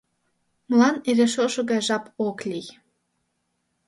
Молан эре шошо гай жап ок лий?